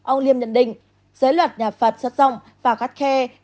ông liêm nhận định giới luật nhà phật rất rộng và khát khe